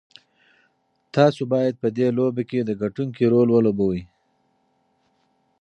تاسو بايد په دې لوبه کې د ګټونکي رول ولوبوئ.